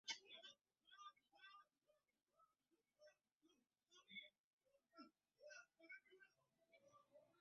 En eso, se presenta otro Patricio comiendo un helado, y Arenita se confunde.